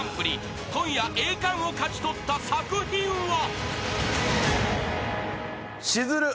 ［今夜栄冠を勝ち取った作品は］しずる。